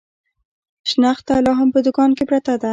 شنخته لا هم په دوکان کې پرته ده.